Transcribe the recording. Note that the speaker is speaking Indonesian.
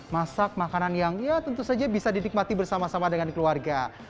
masak makanan yang ya tentu saja bisa dinikmati bersama sama dengan keluarga